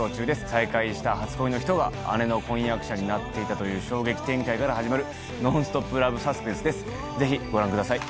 再会した初恋の人が姉の婚約者になっていたという衝撃展開から始まるノンストップラブサスペンスですぜひご覧ください。